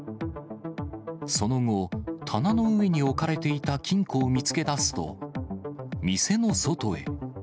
その後、棚の上に置かれていた金庫を見つけ出すと、店の外へ。